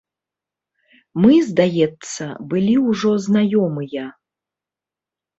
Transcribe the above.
Мы, здаецца, былі ўжо знаёмыя.